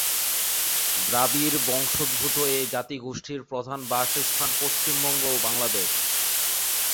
দ্রাবিড়-বংশোদ্ভুত এই জাতিগোষ্ঠীর প্রধান বাসস্থান পশ্চিমবঙ্গ ও বাংলাদেশ।